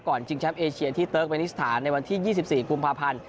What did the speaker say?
ชิงแชมป์เอเชียที่เติร์กเมนิสถานในวันที่๒๔กุมภาพันธ์